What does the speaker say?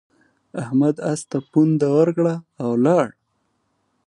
احمد اس ته پونده ورکړه او ولاړ.